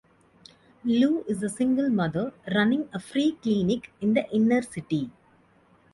Lu is a single mother running a free clinic in the inner-city.